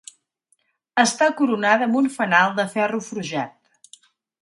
Està coronada amb un fanal de ferro forjat.